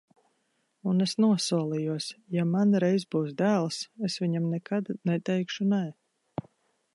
Un es nosolījos: ja man reiz būs dēls, es viņam nekad neteikšu nē.